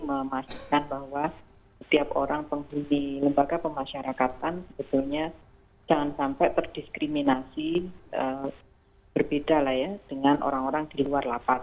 memastikan bahwa setiap orang penghuni lembaga pemasyarakatan sebetulnya jangan sampai terdiskriminasi berbeda lah ya dengan orang orang di luar lapas